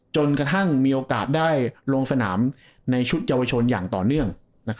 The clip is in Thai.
จนกระทั่งมีโอกาสได้ลงสนามในชุดเยาวชนอย่างต่อเนื่อง